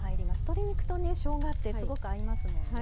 鶏肉とねしょうがってすごく合いますもんね。